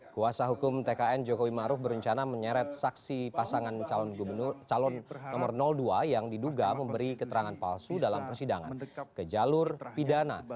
kuasa hukum tkn jokowi maruf berencana menyeret saksi pasangan calon nomor dua yang diduga memberi keterangan palsu dalam persidangan ke jalur pidana